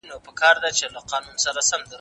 ښوونکي زموږ پاڼه نه وه وړاندي کړې.